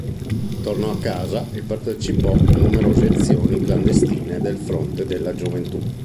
Tornò a casa e partecipò a numerose azioni clandestine del Fronte della gioventù.